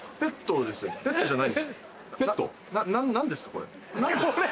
これ。